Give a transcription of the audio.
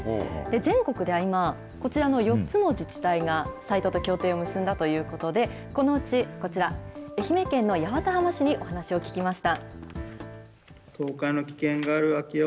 全国では今、こちらの４つの自治体がサイトと協定を結んだということで、このうちこちら、愛媛県の八幡浜市にお話を聞きました。